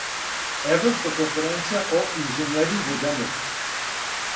Европска конференција о инжењерингу земљотреса.